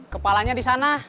kepalanya di sana